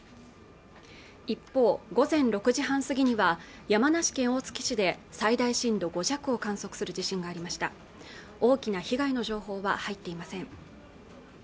一方午前６時半過ぎには山梨県大月市で最大震度５弱を観測する地震がありました大きな被害の情報は入っていません